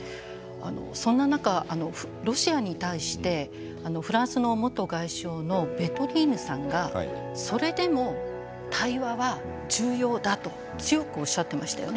そんな中ロシアに対してフランスの元外相のヴェドリーヌさんがそれでも対話は重要だと強くおっしゃっていましたよね。